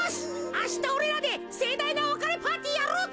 あしたおれらでせいだいなおわかれパーティーやろうぜ！